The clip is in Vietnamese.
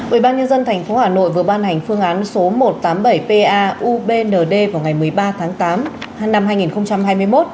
ubnd tp hà nội vừa ban hành phương án số một trăm tám mươi bảy pabnd vào ngày một mươi ba tháng tám năm hai nghìn hai mươi một